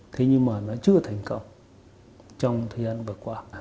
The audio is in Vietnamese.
thế nhưng mà nó chưa thành công trong thời gian vừa qua